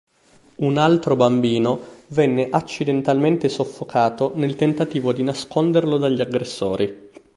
Un altro bambino venne accidentalmente soffocato nel tentativo di nasconderlo dagli aggressori.